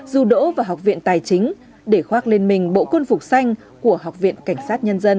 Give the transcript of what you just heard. dù đỗ vào học viện tài chính để khoác lên mình bộ quân phục xanh của học viện cảnh sát nhân dân